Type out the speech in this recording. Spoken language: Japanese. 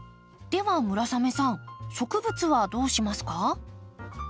では村雨さん植物はどうしますか？